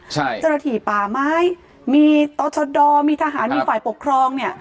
ใช่จรฐีป่าไม้มีต้อชดดอมมีทหารมีฝ่ายปกครองเนี้ย